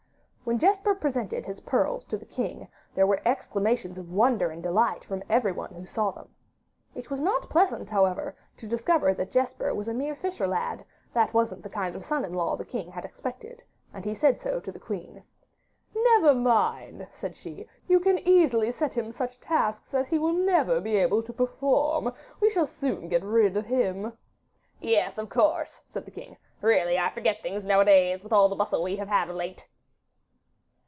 When Jesper presented his pearls to the king there were exclamations of wonder and delight from everyone who saw them. It was not pleasant, however, to discover that Jesper was a mere fisher lad; that wasn't the kind of son in law that the king had expected, and he said so to the queen. 'Never mind,' said she, 'you can easily set him such tasks as he will never be able to perform: we shall soon get rid of him.' 'Yes, of course,' said the king; 'really I forget things nowadays, with all the bustle we have had of late.